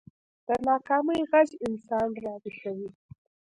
د ناکامۍ غږ انسان راويښوي